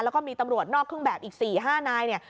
แล้วก็มีตำรวจนอกเครื่องแบบอีก๔๕นายเนี่ย